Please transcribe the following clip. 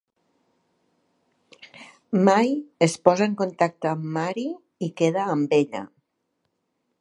May es posa en contacte amb Mary i queda amb ella.